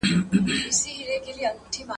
له خالي توپکه دوه کسه بېرېږي.